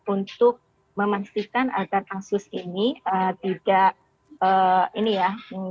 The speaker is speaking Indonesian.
untuk memastikan agar kasus ini tidak ini ya